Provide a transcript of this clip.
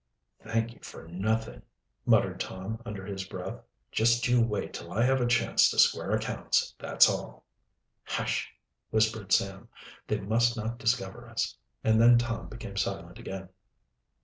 "Thank you for nothing," muttered Tom, under his breath. "Just you wait till I have a chance to square accounts, that's all!" "Hush!" whispered Sam. "They must not discover us." And then Tom became silent again.